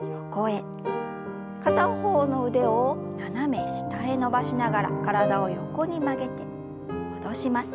片方の腕を斜め下へ伸ばしながら体を横に曲げて戻します。